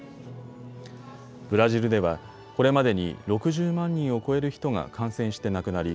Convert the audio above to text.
ブラジルではこれまでに６０万人を超える人が感染して亡くなり